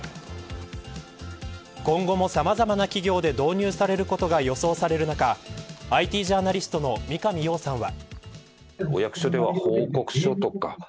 今後もさまざまな企業で導入されることが予想される中ＩＴジャーナリストの三上洋さんは。